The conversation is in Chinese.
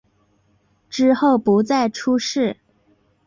之后不再出仕。